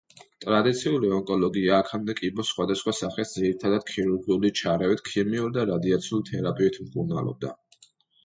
ტრადიციული ონკოლოგია აქამდე კიბოს სხვადასხვა სახეს ძირითადად ქირურგიული ჩარევით, ქიმიური და რადიაციული თერაპიით მკურნალობდა.